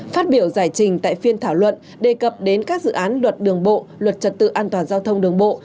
phát biểu giải trình tại phiên thảo luận đề cập đến các dự án luật đường bộ luật trật tự an toàn giao thông đường bộ